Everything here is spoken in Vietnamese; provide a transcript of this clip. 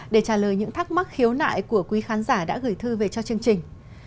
để trả lời những thắc mắc khiếu nại của quý khán giả đã gửi thư về cho chương trình